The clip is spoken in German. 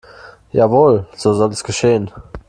Jawohl, so soll es geschehen.